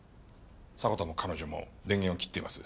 迫田も彼女も電源を切っています。